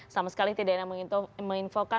sama sekali tidak ada yang menginfokan